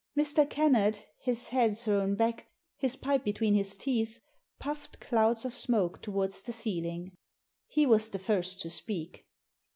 Mr. Kennard, his head thrown back, his pipe between his teeth, puffed clouds of smoke towards the ceiling. He was the first to speak.